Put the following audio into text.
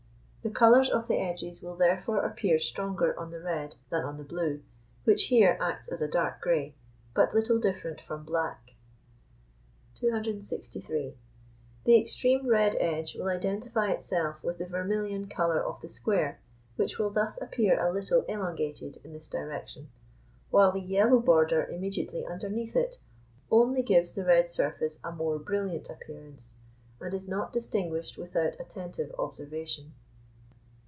The colours of the edges will therefore appear stronger on the red than on the blue, which here acts as a dark grey, but little different from black. (251.) 263. The extreme red edge will identify itself with the vermilion colour of the square, which will thus appear a little elongated in this direction; while the yellow border immediately underneath it only gives the red surface a more brilliant appearance, and is not distinguished without attentive observation.